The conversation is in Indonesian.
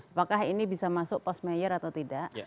apakah ini bisa masuk post mayor atau tidak